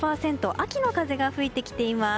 秋の風が吹いてきています。